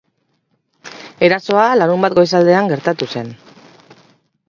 Erasoa larunbat goizaldean gertatu zen.